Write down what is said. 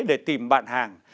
để tìm bạn hàng